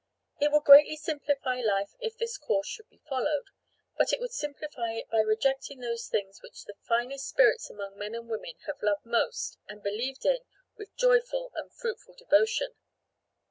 It would greatly simplify life if this course could be followed, but it would simplify it by rejecting those things which the finest spirits among men and women have loved most and believed in with joyful and fruitful devotion.